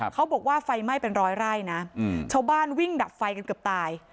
เขาบอกว่าไฟไหม้เป็นร้อยไร่นะชาวบ้านวิ่งดับไฟกันเกือบตาย